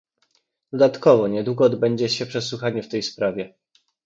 Dodatkowo niedługo odbędzie się przesłuchanie w tej sprawie